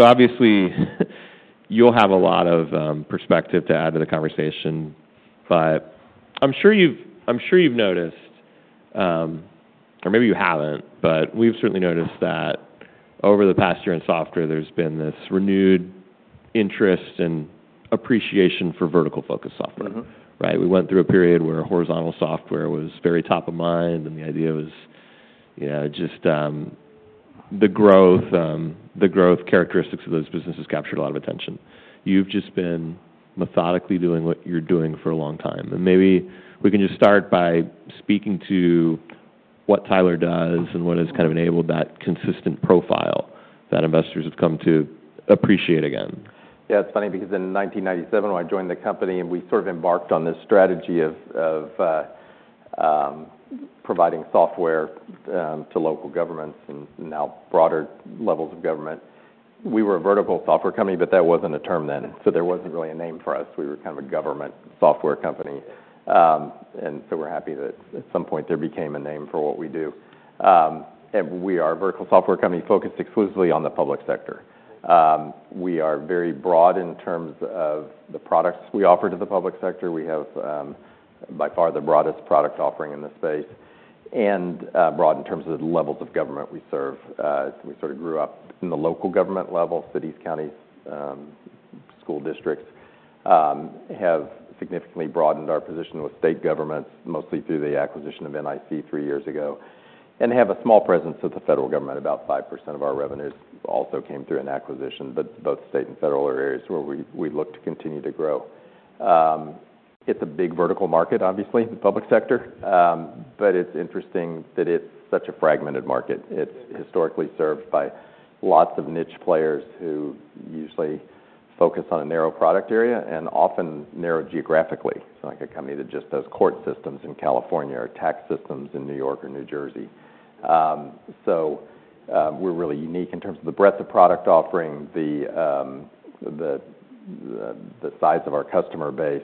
So obviously you'll have a lot of perspective to add to the conversation, but I'm sure you've noticed, or maybe you haven't, but we've certainly noticed that over the past year in software there's been this renewed interest and appreciation for vertical-focused software. Mm-hmm. Right? We went through a period where horizontal software was very top of mind, and the idea was, you know, just, the growth, the growth characteristics of those businesses captured a lot of attention. You've just been methodically doing what you're doing for a long time, and maybe we can just start by speaking to what Tyler does and what has kind of enabled that consistent profile that investors have come to appreciate again. Yeah, it's funny because in 1997 when I joined the company and we sort of embarked on this strategy of providing software to local governments and now broader levels of government, we were a vertical software company, but that wasn't a term then. So there wasn't really a name for us. We were kind of a government software company, and so we're happy that at some point there became a name for what we do, and we are a vertical software company focused exclusively on the public sector. We are very broad in terms of the products we offer to the public sector. We have by far the broadest product offering in the space and broad in terms of the levels of government we serve. We sort of grew up in the local government level: cities, counties, school districts, have significantly broadened our position with state governments, mostly through the acquisition of NIC three years ago, and have a small presence at the federal government. About 5% of our revenues also came through an acquisition, but both state and federal are areas where we look to continue to grow. It's a big vertical market, obviously, the public sector, but it's interesting that it's such a fragmented market. It's historically served by lots of niche players who usually focus on a narrow product area and often narrow geographically. So like a company that just does court systems in California or tax systems in New York or New Jersey. So, we're really unique in terms of the breadth of product offering, the size of our customer base.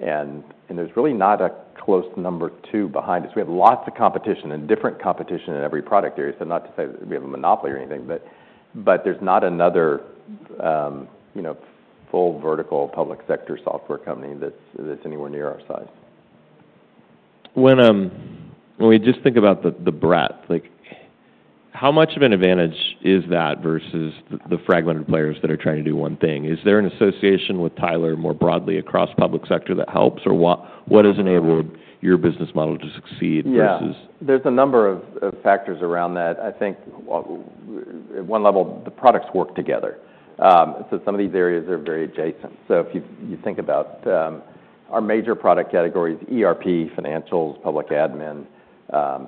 There's really not a close number two behind us. We have lots of competition and different competition in every product area. So not to say that we have a monopoly or anything, but there's not another, you know, full vertical public sector software company that's anywhere near our size. When we just think about the breadth, like how much of an advantage is that versus the fragmented players that are trying to do one thing? Is there an association with Tyler more broadly across public sector that helps, or what has enabled your business model to succeed versus? Yeah, there's a number of factors around that. I think at one level the products work together, so some of these areas are very adjacent, so if you think about our major product categories: ERP, financials, public admin,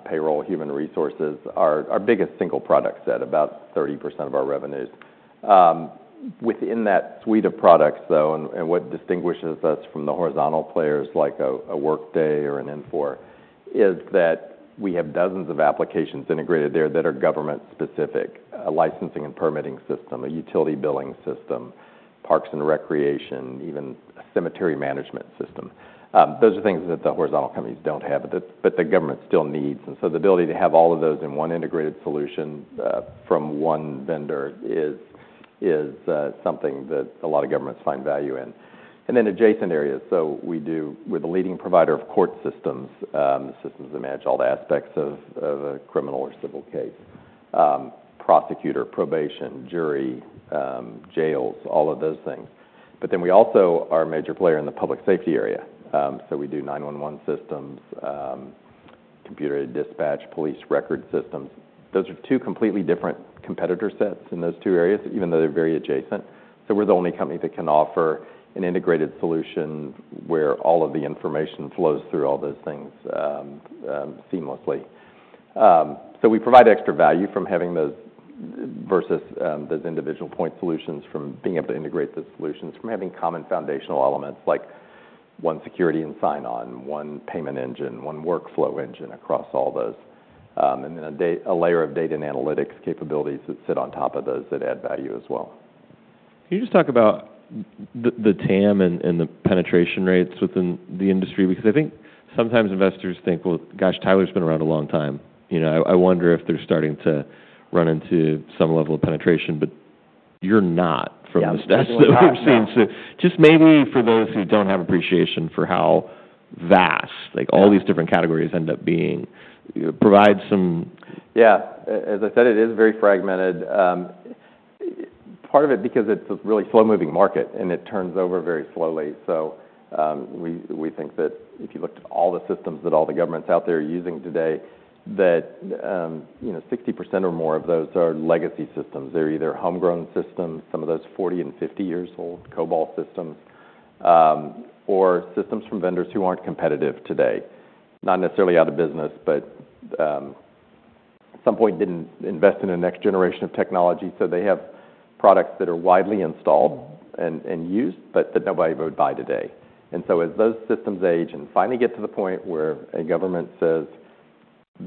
payroll, human resources are our biggest single product set, about 30% of our revenues. Within that suite of products though, and what distinguishes us from the horizontal players like a Workday or an Infor is that we have dozens of applications integrated there that are government-specific: a licensing and permitting system, a utility billing system, parks and recreation, even a cemetery management system. Those are things that the horizontal companies don't have, but the government still needs, and so the ability to have all of those in one integrated solution, from one vendor is something that a lot of governments find value in. Then adjacent areas. We do. We're the leading provider of court systems, systems that manage all the aspects of a criminal or civil case, prosecutor, probation, jury, jails, all of those things. Then we also are a major player in the public safety area. We do 911 systems, computer dispatch, police record systems. Those are two completely different competitor sets in those two areas, even though they're very adjacent. We're the only company that can offer an integrated solution where all of the information flows through all those things seamlessly. We provide extra value from having those versus those individual point solutions, from being able to integrate the solutions, from having common foundational elements like one security and sign-on, one payment engine, one workflow engine across all those. And then a layer of data and analytics capabilities that sit on top of those that add value as well. Can you just talk about the TAM and the penetration rates within the industry? Because I think sometimes investors think, "Well, gosh, Tyler's been around a long time. You know, I wonder if they're starting to run into some level of penetration," but you're not from the stats that we've seen. So just maybe for those who don't have appreciation for how vast, like, all these different categories end up being, provide some. Yeah. As I said, it is very fragmented. Part of it because it's a really slow-moving market and it turns over very slowly. So, we think that if you looked at all the systems that all the governments out there are using today, that, you know, 60% or more of those are legacy systems. They're either homegrown systems, some of those 40 and 50 years old COBOL systems, or systems from vendors who aren't competitive today, not necessarily out of business, but, at some point didn't invest in a next generation of technology. So they have products that are widely installed and used, but that nobody would buy today. And so as those systems age and finally get to the point where a government says,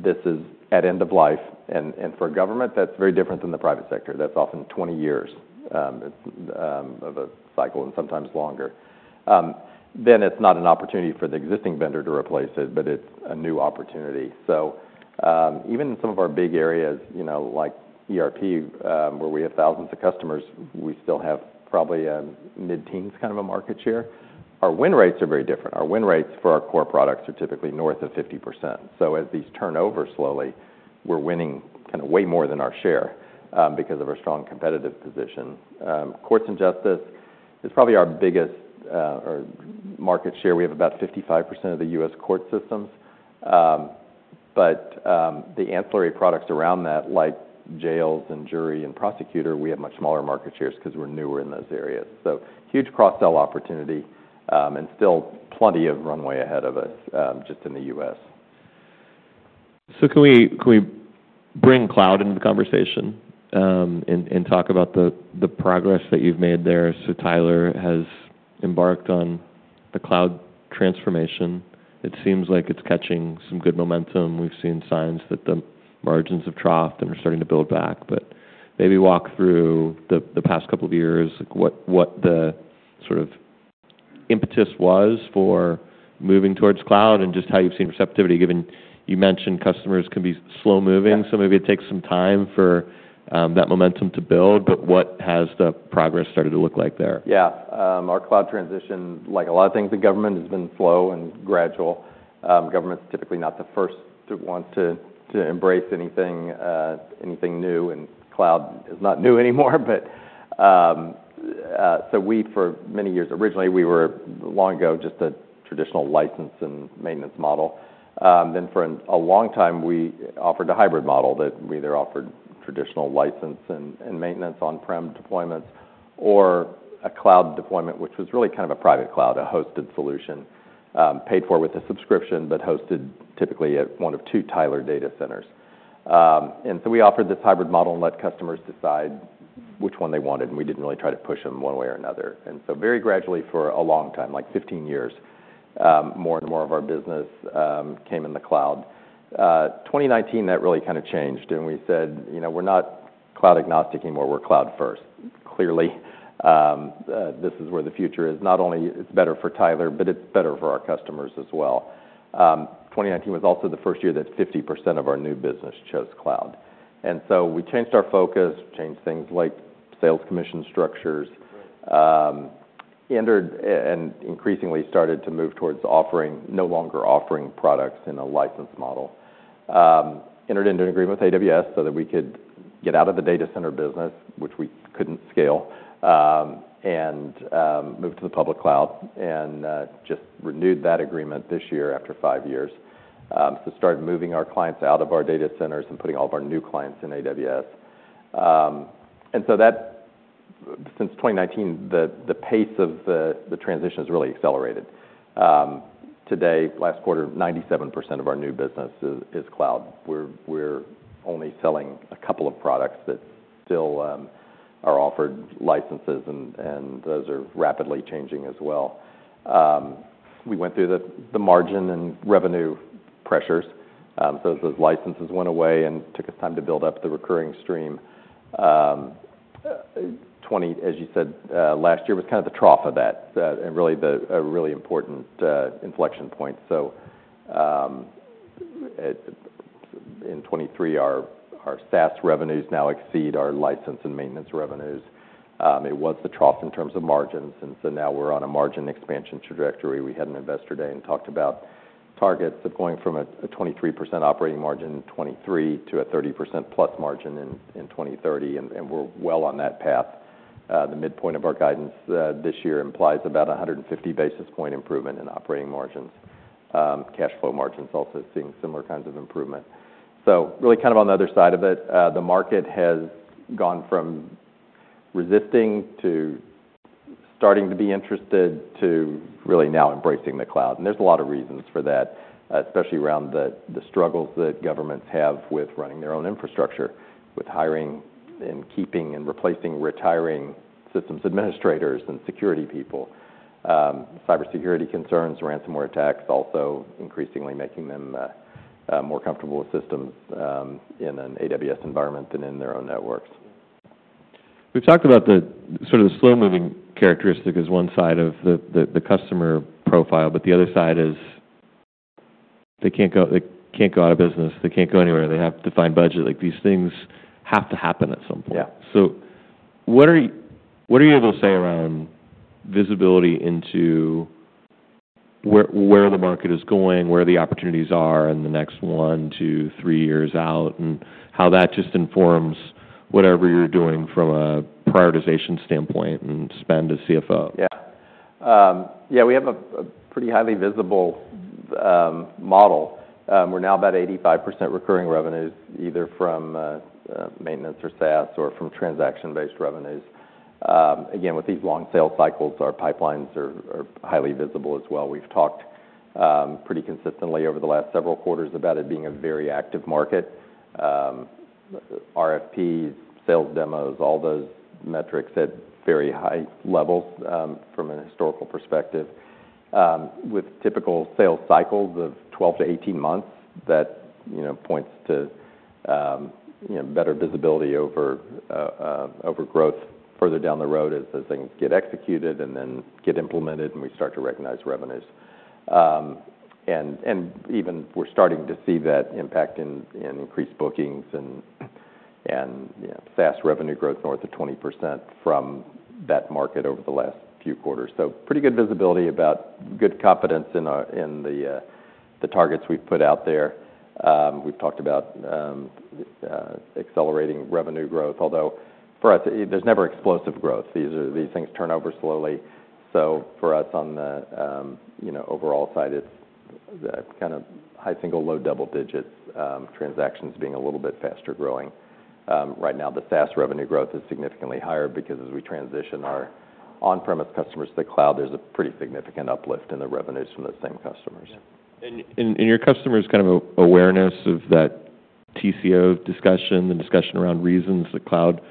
"This is at end of life," and for a government that's very different than the private sector, that's often 20 years of a cycle and sometimes longer, then it's not an opportunity for the existing vendor to replace it, but it's a new opportunity. So even in some of our big areas, you know, like ERP, where we have thousands of customers, we still have probably a mid-teens kind of a market share. Our win rates are very different. Our win rates for our core products are typically north of 50%. So as these turn over slowly, we're winning kind of way more than our share, because of our strong competitive position. Courts and justice is probably our biggest, or market share. We have about 55% of the U.S. court systems. But the ancillary products around that, like jails and jury and prosecutor, we have much smaller market shares 'cause we're newer in those areas. So huge cross-sell opportunity, and still plenty of runway ahead of us, just in the U.S. So can we bring cloud into the conversation, and talk about the progress that you've made there? Tyler has embarked on the cloud transformation. It seems like it's catching some good momentum. We've seen signs that the margins have troughed and are starting to build back. But maybe walk through the past couple of years, like what the sort of impetus was for moving towards cloud and just how you've seen receptivity, given you mentioned customers can be slow-moving. So maybe it takes some time for that momentum to build. But what has the progress started to look like there? Yeah. Our cloud transition, like a lot of things in government, has been slow and gradual. Government's typically not the first to want to embrace anything, anything new. And cloud is not new anymore, but so we for many years originally we were long ago just a traditional license and maintenance model. Then for a long time we offered a hybrid model that we either offered traditional license and maintenance on-prem deployments or a cloud deployment, which was really kind of a private cloud, a hosted solution, paid for with a subscription, but hosted typically at one of two Tyler data centers. And so we offered this hybrid model and let customers decide which one they wanted. And we didn't really try to push them one way or another. And so very gradually for a long time, like 15 years, more and more of our business came in the cloud. In 2019 that really kind of changed and we said, you know, we're not cloud agnostic anymore. We're cloud first, clearly. This is where the future is. Not only it's better for Tyler, but it's better for our customers as well. 2019 was also the first year that 50% of our new business chose cloud. And so we changed our focus, changed things like sales commission structures, entered and increasingly started to move towards offering, no longer offering products in a license model, entered into an agreement with AWS so that we could get out of the data center business, which we couldn't scale, and moved to the public cloud and just renewed that agreement this year after five years. we started moving our clients out of our data centers and putting all of our new clients in AWS. And so, since 2019, the pace of the transition has really accelerated. Today, last quarter, 97% of our new business is cloud. We're only selling a couple of products that still are offered licenses, and those are rapidly changing as well. We went through the margin and revenue pressures. So those licenses went away and took us time to build up the recurring stream. 2020, as you said, last year was kind of the trough of that, and really a really important inflection point. So, in 2023, our SaaS revenues now exceed our license and maintenance revenues. It was the trough in terms of margins, and so now we're on a margin expansion trajectory. We had an investor day and talked about targets of going from a 23% operating margin in 2023 to a 30% plus margin in 2030. We're well on that path. The midpoint of our guidance this year implies about 150 basis points improvement in operating margins. Cash flow margins also seeing similar kinds of improvement. Really kind of on the other side of it, the market has gone from resisting to starting to be interested to really now embracing the cloud. There's a lot of reasons for that, especially around the struggles that governments have with running their own infrastructure, with hiring and keeping and replacing retiring systems administrators and security people. Cybersecurity concerns, ransomware attacks also increasingly making them more comfortable with systems in an AWS environment than in their own networks. We've talked about the sort of slow-moving characteristic as one side of the customer profile, but the other side is they can't go out of business, they can't go anywhere, they have to find budget. Like these things have to happen at some point. Yeah. So what are you able to say around visibility into where the market is going, where the opportunities are in the next one, two, three years out, and how that just informs whatever you're doing from a prioritization standpoint and spend as CFO? Yeah, yeah, we have a pretty highly visible model. We're now about 85% recurring revenues, either from maintenance or SaaS or from transaction-based revenues. Again, with these long sales cycles, our pipelines are highly visible as well. We've talked pretty consistently over the last several quarters about it being a very active market. RFPs, sales demos, all those metrics at very high levels from a historical perspective. With typical sales cycles of 12 to 18 months that you know points to you know better visibility over growth further down the road as things get executed and then get implemented and we start to recognize revenues. And even we're starting to see that impact in increased bookings and you know SaaS revenue growth north of 20% from that market over the last few quarters. So, pretty good visibility, about good confidence in our, in the targets we've put out there. We've talked about accelerating revenue growth, although for us there's never explosive growth. These are, these things turn over slowly. So for us on the, you know, overall side, it's the kind of high single, low double digits, transactions being a little bit faster growing. Right now the SaaS revenue growth is significantly higher because as we transition our on-premises customers to the cloud, there's a pretty significant uplift in the revenues from those same customers. Your customers kind of awareness of that TCO discussion, the discussion around reasons that cloud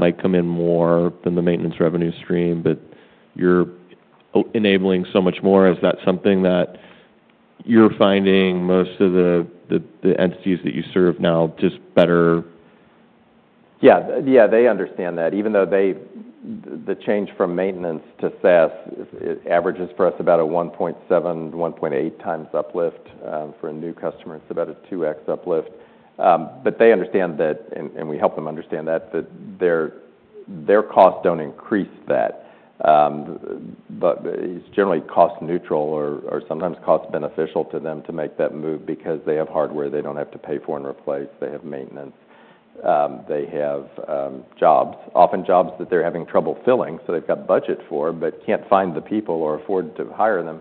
might come in more than the maintenance revenue stream, but you're enabling so much more. Is that something that you're finding most of the entities that you serve now just better? Yeah. They understand that even though the change from maintenance to SaaS averages for us about a 1.7, 1.8 times uplift. For a new customer, it's about a 2X uplift. They understand that, and we help them understand that their costs don't increase that. But it's generally cost neutral or sometimes cost beneficial to them to make that move because they have hardware they don't have to pay for and replace. They have maintenance. They have jobs, often jobs that they're having trouble filling, so they've got budget for, but can't find the people or afford to hire them,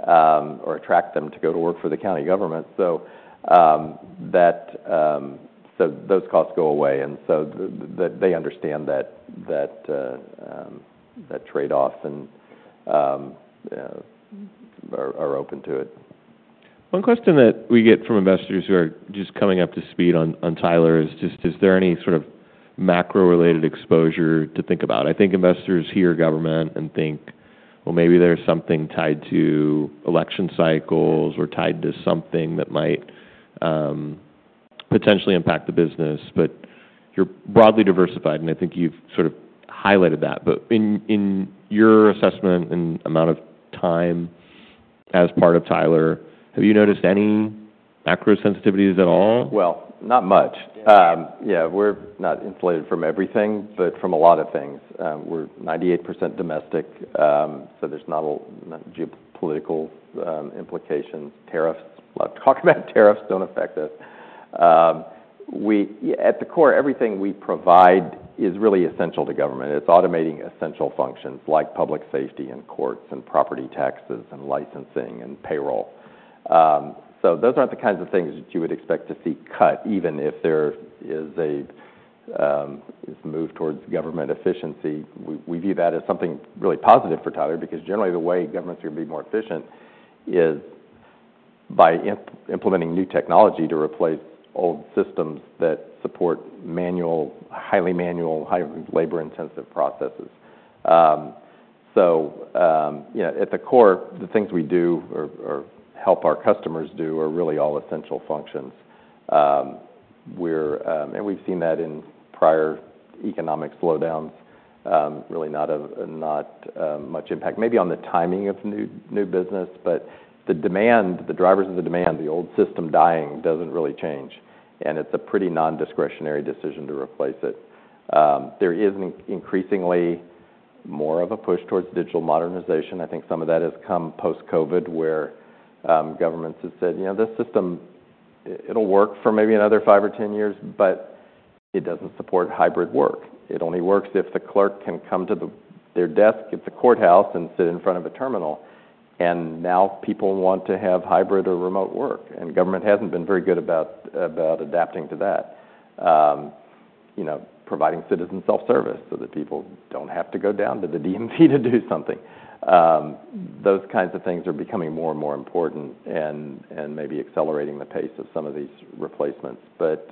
or attract them to go to work for the county government. So those costs go away. And so they understand that trade-off and are open to it. One question that we get from investors who are just coming up to speed on Tyler is just, is there any sort of macro-related exposure to think about? I think investors hear government and think, "Well, maybe there's something tied to election cycles or tied to something that might, potentially impact the business." But you're broadly diversified and I think you've sort of highlighted that. But in your assessment and amount of time as part of Tyler, have you noticed any macro-sensitivities at all? Not much. Yeah, we're not insulated from everything, but from a lot of things. We're 98% domestic. So there's not a lot of geopolitical implications. Tariffs. A lot of talk about tariffs don't affect us. We, at the core, everything we provide is really essential to government. It's automating essential functions like public safety and courts and property taxes and licensing and payroll. So those aren't the kinds of things that you would expect to see cut even if there is a move towards government efficiency. We view that as something really positive for Tyler because generally the way governments are gonna be more efficient is by implementing new technology to replace old systems that support manual, highly manual, highly labor-intensive processes. So, you know, at the core, the things we do or help our customers do are really all essential functions. We're, and we've seen that in prior economic slowdowns, really not much impact maybe on the timing of new business, but the demand, the drivers of the demand, the old system dying doesn't really change, and it's a pretty non-discretionary decision to replace it. There is an increasingly more of a push towards digital modernization. I think some of that has come post-COVID where governments have said, you know, this system, it'll work for maybe another five or ten years, but it doesn't support hybrid work. It only works if the clerk can come to their desk at the courthouse and sit in front of a terminal, and now people want to have hybrid or remote work, and government hasn't been very good about adapting to that, you know, providing citizen self-service so that people don't have to go down to the DMV to do something. Those kinds of things are becoming more and more important and maybe accelerating the pace of some of these replacements. But,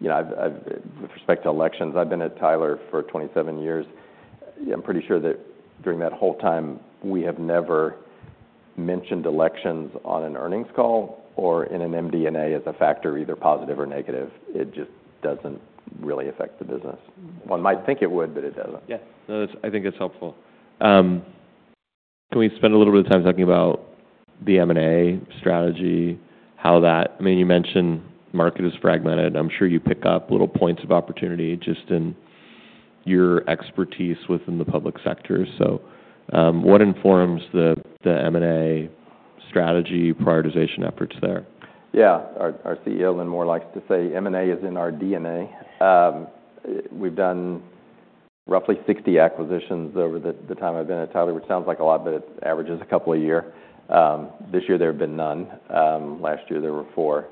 you know, I've with respect to elections, I've been at Tyler for 27 years. I'm pretty sure that during that whole time we have never mentioned elections on an earnings call or in an MD&A as a factor, either positive or negative. It just doesn't really affect the business. One might think it would, but it doesn't. Yeah. No, that's, I think it's helpful. Can we spend a little bit of time talking about the M&A strategy, how that, I mean, you mentioned market is fragmented. I'm sure you pick up little points of opportunity just in your expertise within the public sector. So, what informs the, the M&A strategy prioritization efforts there? Yeah. Our CEO, Lynn Moore, likes to say M&A is in our DNA. We've done roughly 60 acquisitions over the time I've been at Tyler, which sounds like a lot, but it averages a couple a year. This year there have been none. Last year there were four.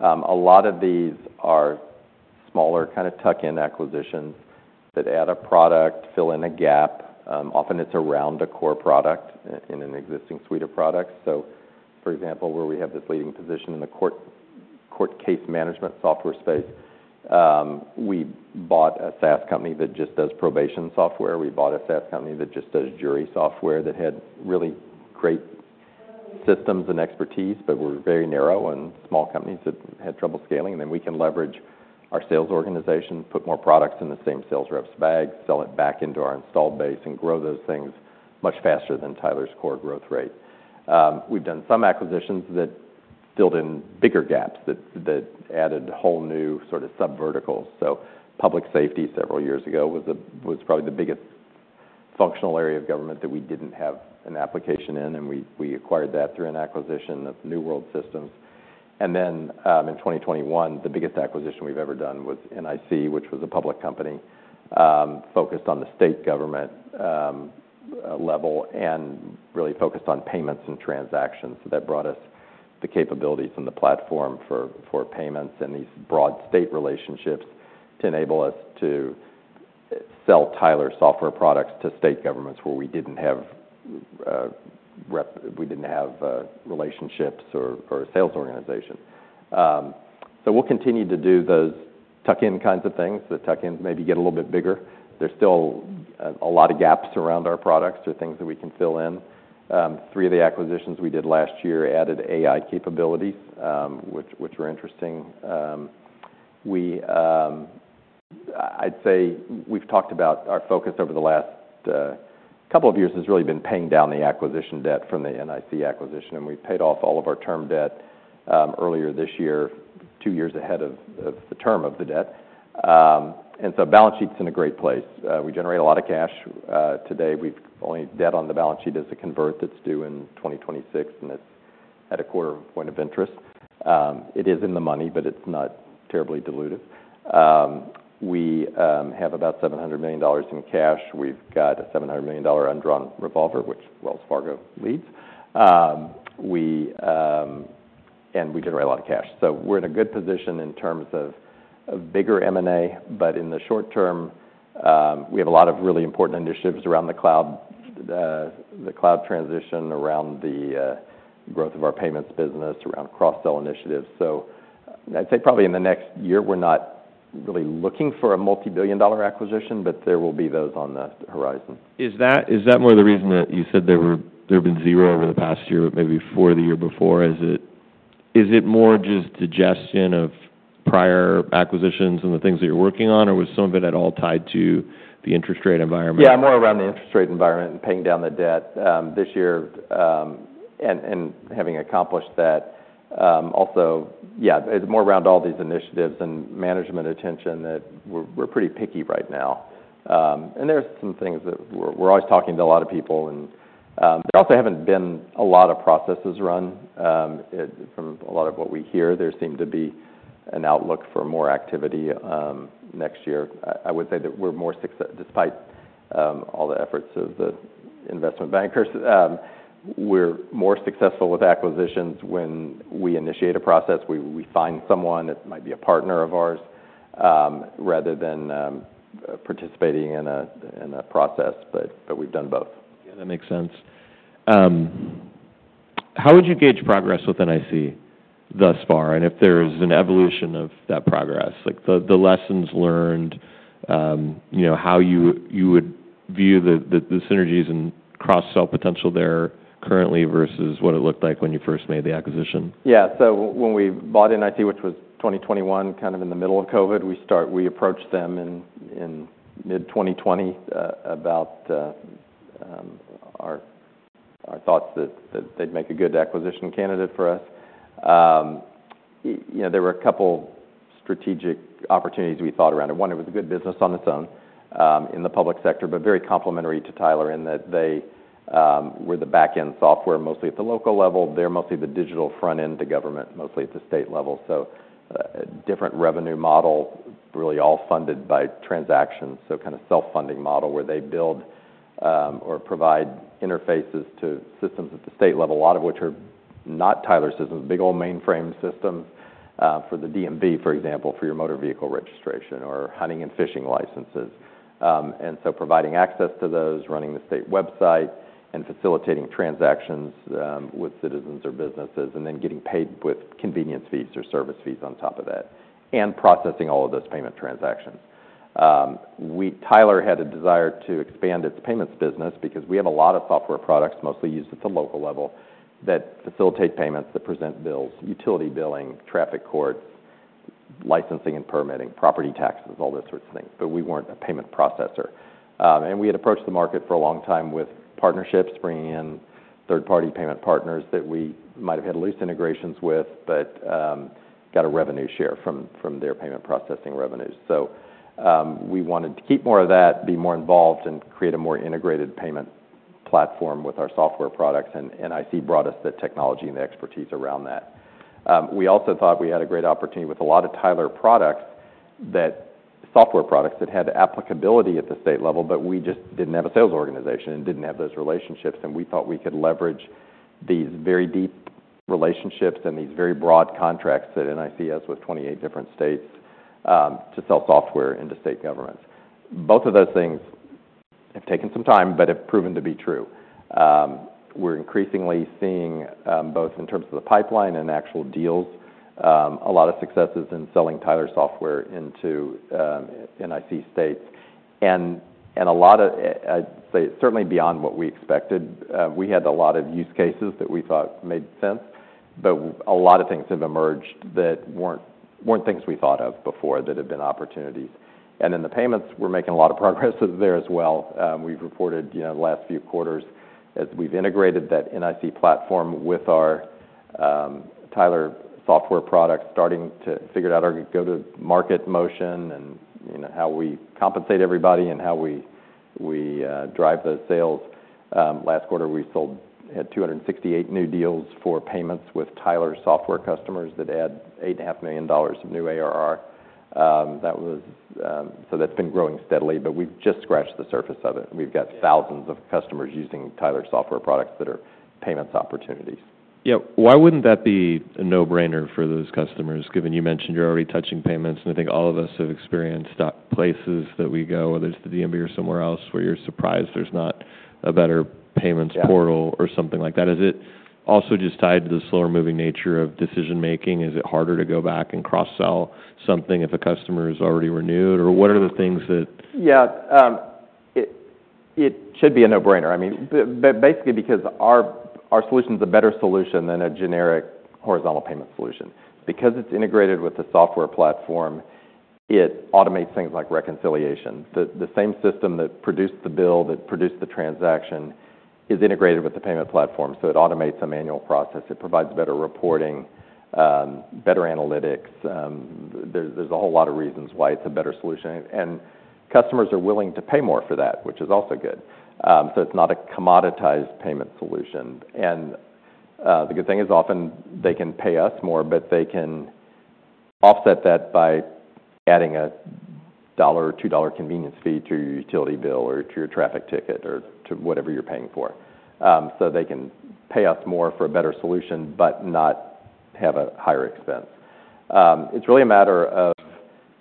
A lot of these are smaller kind of tuck-in acquisitions that add a product, fill in a gap. Often it's around a core product in an existing suite of products. So, for example, where we have this leading position in the court case management software space, we bought a SaaS company that just does probation software. We bought a SaaS company that just does jury software that had really great systems and expertise, but were very narrow and small companies that had trouble scaling. And then we can leverage our sales organization, put more products in the same sales reps bag, sell it back into our installed base and grow those things much faster than Tyler's core growth rate. We've done some acquisitions that filled in bigger gaps that added whole new sort of sub-verticals. So public safety several years ago was probably the biggest functional area of government that we didn't have an application in. And we acquired that through an acquisition of New World Systems. And then, in 2021, the biggest acquisition we've ever done was NIC, which was a public company, focused on the state government level and really focused on payments and transactions. That brought us the capabilities and the platform for payments and these broad state relationships to enable us to sell Tyler software products to state governments where we didn't have relationships or a sales organization. We'll continue to do those tuck-in kinds of things. The tuck-ins maybe get a little bit bigger. There's still a lot of gaps around our products or things that we can fill in. Three of the acquisitions we did last year added AI capabilities, which were interesting. I'd say we've talked about our focus over the last couple of years has really been paying down the acquisition debt from the NIC acquisition. We paid off all of our term debt earlier this year, two years ahead of the term of the debt. The balance sheet's in a great place. We generate a lot of cash. Today, the only debt on the balance sheet is a convertible that's due in 2026 and it's at 0.25% interest. It is in the money, but it's not terribly diluted. We have about $700 million in cash. We've got a $700 million undrawn revolver, which Wells Fargo leads, and we generate a lot of cash. So we're in a good position in terms of bigger M&A, but in the short term, we have a lot of really important initiatives around the cloud, the cloud transition, around the growth of our payments business, around cross-sell initiatives. So I'd say probably in the next year we're not really looking for a multi-billion dollar acquisition, but there will be those on the horizon. Is that more the reason that you said there have been zero over the past year, but maybe four the year before? Is it more just suggestion of prior acquisitions and the things that you're working on, or was some of it at all tied to the interest rate environment? Yeah, more around the interest rate environment and paying down the debt this year, and having accomplished that, also, yeah, it's more around all these initiatives and management attention that we're pretty picky right now. There's some things that we're always talking to a lot of people, and there also haven't been a lot of processes run. It from a lot of what we hear, there seemed to be an outlook for more activity next year. I would say that we're more successful despite all the efforts of the investment bankers. We're more successful with acquisitions when we initiate a process; we find someone, it might be a partner of ours, rather than participating in a process. But we've done both. Yeah, that makes sense. How would you gauge progress with NIC thus far? And if there's an evolution of that progress, like the lessons learned, you know, how you would view the synergies and cross-sell potential there currently versus what it looked like when you first made the acquisition? Yeah. So when we bought NIC, which was 2021, kind of in the middle of COVID, we approached them in mid-2020, about our thoughts that they'd make a good acquisition candidate for us. You know, there were a couple strategic opportunities we thought around it. One, it was a good business on its own, in the public sector, but very complementary to Tyler in that they were the backend software mostly at the local level. They're mostly the digital front end to government, mostly at the state level. So, different revenue model really all funded by transactions. So kind of self-funding model where they build, or provide interfaces to systems at the state level, a lot of which are not Tyler systems, big old mainframe systems, for the DMV, for example, for your motor vehicle registration or hunting and fishing licenses. And so, providing access to those, running the state website and facilitating transactions with citizens or businesses and then getting paid with convenience fees or service fees on top of that and processing all of those payment transactions. We, Tyler, had a desire to expand its payments business because we have a lot of software products mostly used at the local level that facilitate payments that present bills, utility billing, traffic courts, licensing and permitting, property taxes, all those sorts of things. But we weren't a payment processor. And we had approached the market for a long time with partnerships, bringing in third-party payment partners that we might've had loose integrations with, but got a revenue share from their payment processing revenues. So, we wanted to keep more of that, be more involved and create a more integrated payment platform with our software products. NIC brought us the technology and the expertise around that. We also thought we had a great opportunity with a lot of Tyler products that software products that had applicability at the state level, but we just didn't have a sales organization and didn't have those relationships. We thought we could leverage these very deep relationships and these very broad contracts that NIC has with 28 different states, to sell software into state governments. Both of those things have taken some time, but have proven to be true. We're increasingly seeing, both in terms of the pipeline and actual deals, a lot of successes in selling Tyler software into NIC states. A lot of, I'd say, certainly beyond what we expected. We had a lot of use cases that we thought made sense, but a lot of things have emerged that weren't things we thought of before that had been opportunities. And in the payments, we're making a lot of progress there as well. We've reported, you know, the last few quarters as we've integrated that NIC platform with our Tyler software products, starting to figure out our go-to-market motion and, you know, how we compensate everybody and how we drive those sales. Last quarter we had 268 new deals for payments with Tyler software customers that add $8.5 million of new ARR. So that's been growing steadily, but we've just scratched the surface of it. We've got thousands of customers using Tyler software products that are payments opportunities. Yeah. Why wouldn't that be a no-brainer for those customers given you mentioned you're already touching payments? And I think all of us have experienced places that we go, whether it's the DMV or somewhere else where you're surprised there's not a better payments portal or something like that. Is it also just tied to the slower moving nature of decision-making? Is it harder to go back and cross-sell something if a customer is already renewed? Or what are the things that? Yeah. It should be a no-brainer. I mean, basically because our solution's a better solution than a generic horizontal payment solution. Because it's integrated with the software platform, it automates things like reconciliation. The same system that produced the bill, that produced the transaction is integrated with the payment platform. So it automates a manual process. It provides better reporting, better analytics. There's a whole lot of reasons why it's a better solution, and customers are willing to pay more for that, which is also good, so it's not a commoditized payment solution, and the good thing is often they can pay us more, but they can offset that by adding $1 or $2 convenience fee to your utility bill or to your traffic ticket or to whatever you're paying for. So they can pay us more for a better solution, but not have a higher expense. It's really a matter of,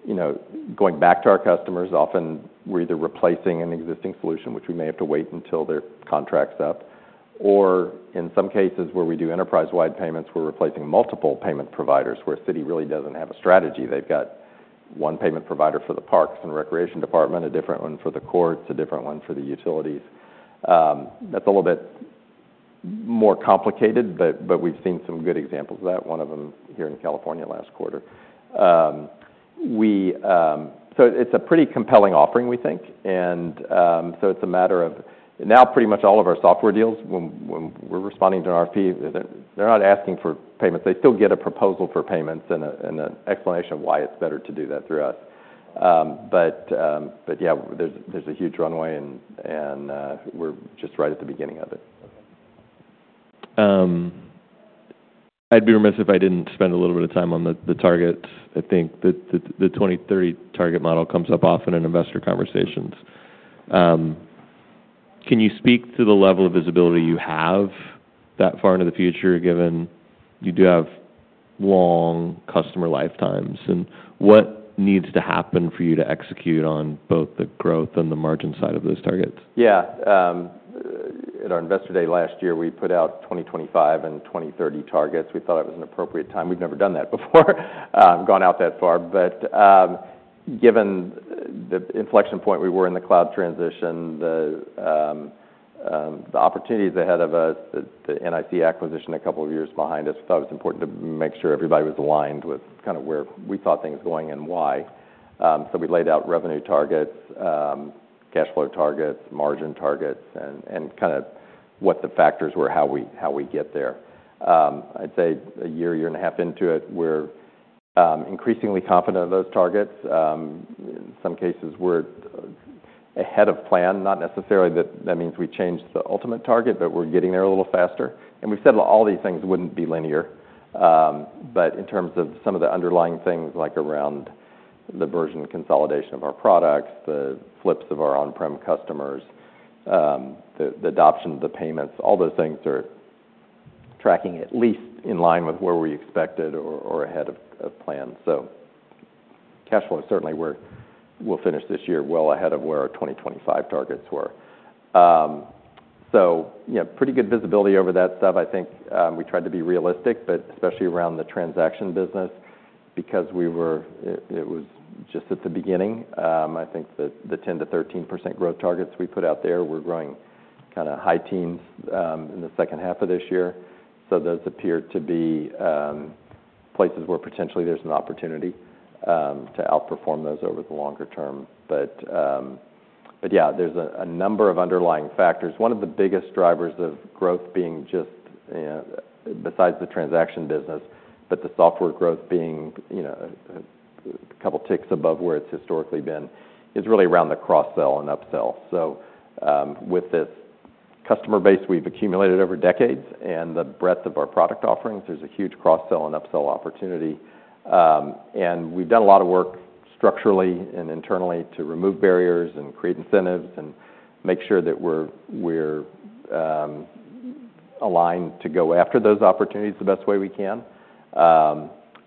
you know, going back to our customers. Often we're either replacing an existing solution, which we may have to wait until their contract's up, or in some cases where we do enterprise-wide payments, we're replacing multiple payment providers where a city really doesn't have a strategy. They've got one payment provider for the parks and recreation department, a different one for the courts, a different one for the utilities. That's a little bit more complicated, but we've seen some good examples of that. One of them here in California last quarter. So it's a pretty compelling offering, we think. And so it's a matter of now pretty much all of our software deals, when we're responding to an RFP, they're not asking for payments. They still get a proposal for payments and an explanation of why it's better to do that through us, but yeah, there's a huge runway and we're just right at the beginning of it. I'd be remiss if I didn't spend a little bit of time on the targets. I think that the 2030 target model comes up often in investor conversations. Can you speak to the level of visibility you have that far into the future given you do have long customer lifetimes and what needs to happen for you to execute on both the growth and the margin side of those targets? Yeah. At our investor day last year, we put out 2025 and 2030 targets. We thought it was an appropriate time. We've never done that before, gone out that far, but given the inflection point we were in the cloud transition, the opportunities ahead of us, the NIC acquisition a couple of years behind us, we thought it was important to make sure everybody was aligned with kind of where we thought things going and why, so we laid out revenue targets, cash flow targets, margin targets, and kind of what the factors were, how we get there. I'd say a year, year and a half into it, we're increasingly confident of those targets. In some cases we're ahead of plan. Not necessarily that that means we changed the ultimate target, but we're getting there a little faster. And we've said all these things wouldn't be linear. But in terms of some of the underlying things like around the version consolidation of our products, the flips of our on-prem customers, the adoption of the payments, all those things are tracking at least in line with where we expected or ahead of plan. So cash flow certainly we'll finish this year well ahead of where our 2025 targets were. So, you know, pretty good visibility over that stuff. I think we tried to be realistic, but especially around the transaction business because we were, it was just at the beginning. I think that the 10%-13% growth targets we put out there were growing kind of high teens in the second half of this year. So those appear to be places where potentially there's an opportunity to outperform those over the longer term. But yeah, there's a number of underlying factors. One of the biggest drivers of growth being just, you know, besides the transaction business, but the software growth being, you know, a couple ticks above where it's historically been is really around the cross-sell and upsell. So, with this customer base we've accumulated over decades and the breadth of our product offerings, there's a huge cross-sell and upsell opportunity, and we've done a lot of work structurally and internally to remove barriers and create incentives and make sure that we're aligned to go after those opportunities the best way we can,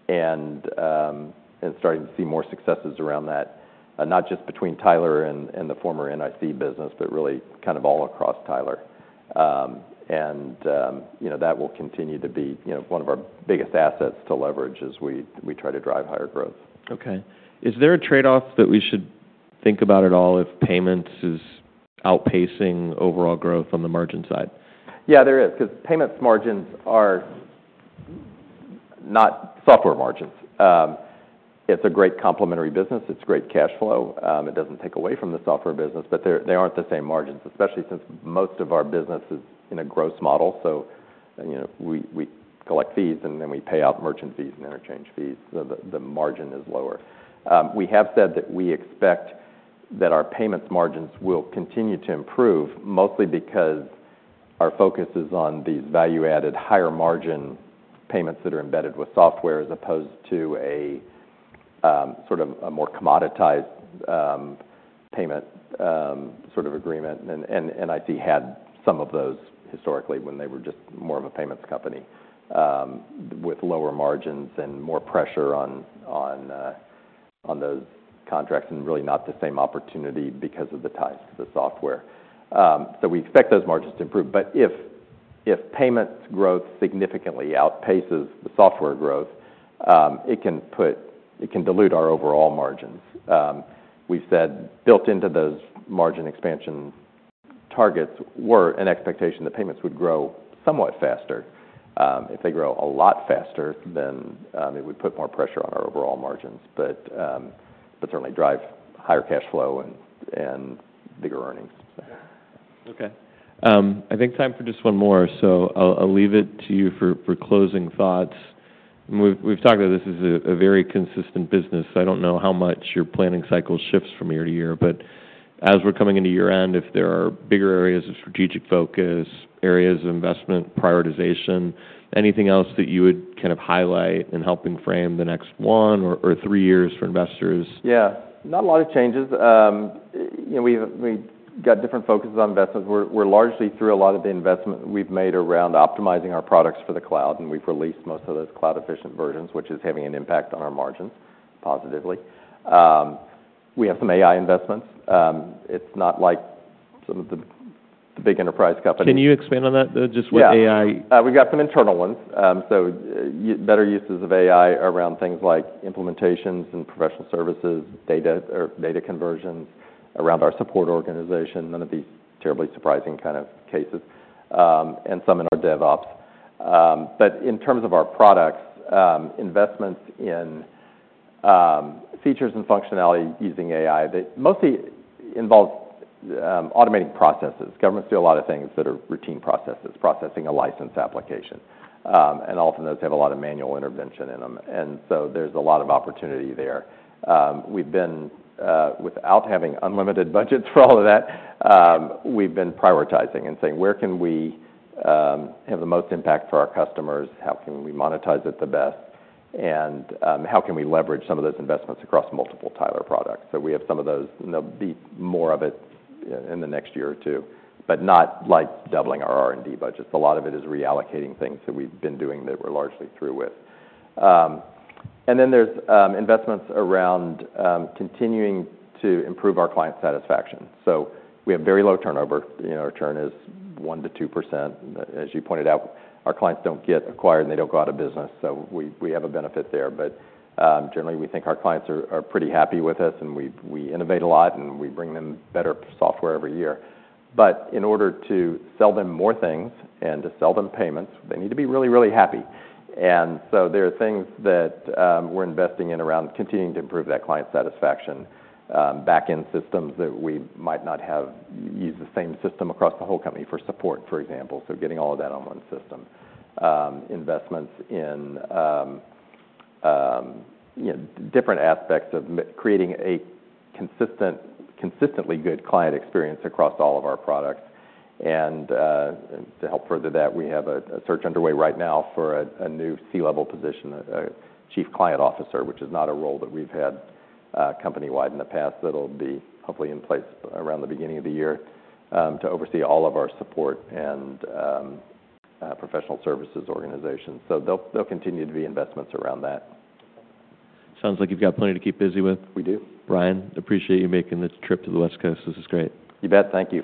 and starting to see more successes around that, not just between Tyler and the former NIC business, but really kind of all across Tyler. and, you know, that will continue to be, you know, one of our biggest assets to leverage as we try to drive higher growth. Okay. Is there a trade-off that we should think about at all if payments is outpacing overall growth on the margin side? Yeah, there is because payments margins are not software margins. It's a great complementary business. It's great cash flow. It doesn't take away from the software business, but they're, they aren't the same margins, especially since most of our business is in a gross model. So, you know, we, we collect fees and then we pay out merchant fees and interchange fees. So the, the margin is lower. We have said that we expect that our payments margins will continue to improve mostly because our focus is on these value-added higher margin payments that are embedded with software as opposed to a, sort of a more commoditized, payment, sort of agreement. And NIC had some of those historically when they were just more of a payments company, with lower margins and more pressure on those contracts and really not the same opportunity because of the ties to the software. So we expect those margins to improve. But if payments growth significantly outpaces the software growth, it can dilute our overall margins. We've said built into those margin expansion targets were an expectation that payments would grow somewhat faster, if they grow a lot faster than it would put more pressure on our overall margins, but certainly drive higher cash flow and bigger earnings. Okay. I think time for just one more. So I'll leave it to you for closing thoughts. And we've talked that this is a very consistent business. I don't know how much your planning cycle shifts from year to year, but as we're coming into year end, if there are bigger areas of strategic focus, areas of investment prioritization, anything else that you would kind of highlight in helping frame the next one or three years for investors? Yeah. Not a lot of changes, you know. We've got different focuses on investments. We're largely through a lot of the investment we've made around optimizing our products for the cloud. And we've released most of those cloud-efficient versions, which is having an impact on our margins positively. We have some AI investments. It's not like some of the big enterprise companies. Can you expand on that? Just what AI? Yeah. We've got some internal ones, so better uses of AI around things like implementations and professional services, data or data conversions around our support organization. None of these terribly surprising kind of cases, and some in our DevOps. But in terms of our products, investments in features and functionality using AI, they mostly involve automating processes. Governments do a lot of things that are routine processes, processing a license application, and all of those have a lot of manual intervention in them, and so there's a lot of opportunity there. We've been, without having unlimited budgets for all of that, prioritizing and saying, where can we have the most impact for our customers? How can we monetize it the best? And how can we leverage some of those investments across multiple Tyler products? So we have some of those, you know, be more of it in the next year or two, but not like doubling our R&D budgets. A lot of it is reallocating things that we've been doing that we're largely through with, and then there's investments around continuing to improve our client satisfaction. So we have very low turnover. You know, our turn is 1%-2%. As you pointed out, our clients don't get acquired and they don't go out of business. So we have a benefit there. But generally we think our clients are pretty happy with us and we innovate a lot and we bring them better software every year. But in order to sell them more things and to sell them payments, they need to be really, really happy. There are things that we're investing in around continuing to improve that client satisfaction, backend systems that we might not have used the same system across the whole company for support, for example. Getting all of that on one system. Investments in, you know, different aspects of creating a consistent, consistently good client experience across all of our products. To help further that, we have a search underway right now for a new C-level position, a Chief Client Officer, which is not a role that we've had company-wide in the past. That'll be hopefully in place around the beginning of the year, to oversee all of our support and professional services organizations. They'll continue to be investments around that. Sounds like you've got plenty to keep busy with. We do. Brian, appreciate you making the trip to the West Coast. This is great. You bet. Thank you.